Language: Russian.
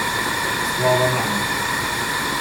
Слава нам!